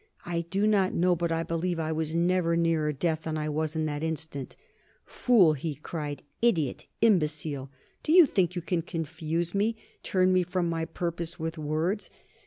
I do not know, but I believe I was never nearer death than I was at that instant. "Fool!" he cried. "Idiot! Imbecile! Do you think you can confuse me, turn me from my purpose, with words?